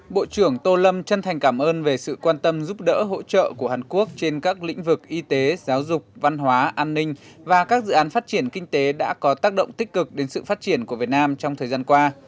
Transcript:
bộ trưởng tô lâm chân thành cảm ơn về sự quan tâm giúp đỡ hỗ trợ của hàn quốc trên các lĩnh vực y tế giáo dục văn hóa an ninh và các dự án phát triển kinh tế đã có tác động tích cực đến sự phát triển của việt nam trong thời gian qua